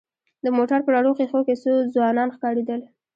د موټر په رڼو ښېښو کې څو ځوانان ښکارېدل.